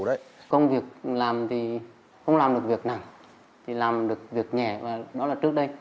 công việc làm thì không làm được việc nặng thì làm được việc nhẹ và đó là trước đây